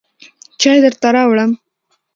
چای درته راوړم.